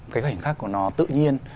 cái khoảnh khắc của nó tự nhiên